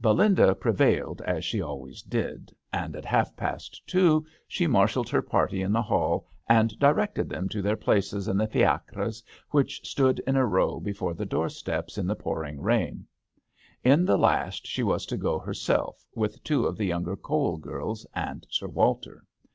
Belinda prevailed, as she always did, and at half past two she marshalled her party in THB h6tBL D'aNGLETERRE. 29 the hally and directed them to their places in the fiacres which stood in a row before the door steps in the pouring rain. In the last she was to go herself, with two of the younger Cowell girls and Sir Walter.